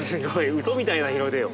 うそみたいな日の出よ。